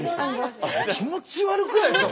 気持ち悪くないですか？